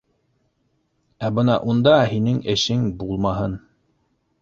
Ә бына унда һинең эшең булмаһын.